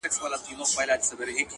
چي ته نه يې زما په ژونــــد كــــــي.